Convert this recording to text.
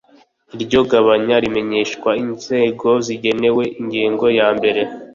Iryo gabanya rimenyeshwa inzego zigenerwa ingengo yambere